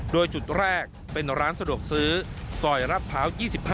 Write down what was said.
โดยจุดแรกเป็นร้านสะดวกซื้อซอยรัดพร้าว๒๕